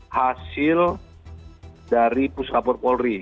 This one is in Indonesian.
hasil dari pus rapor polri